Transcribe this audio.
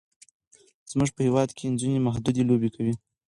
زمونږ په هیواد کې نجونې محدودې لوبې کوي.